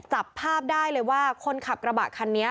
จับภาพได้เลยว่าคนขับกระบะคันนี้